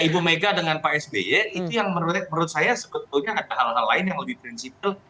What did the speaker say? ibu mega dengan pak sby itu yang menurut saya sebetulnya ada hal hal lain yang lebih prinsipil